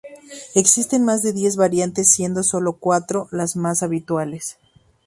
Existen más de diez variantes, siendo solo cuatro las más habituales.